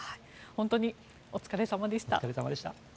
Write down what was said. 本当にお疲れ様でした。